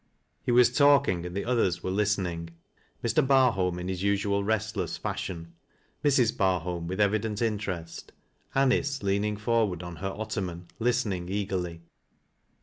He was talking and the others were listen ing — ^Mr. Barholm in his usual restless fashion, Mrs. Bar holm with evident interest, Anice leaning forward on her ottoman, listening eagerly.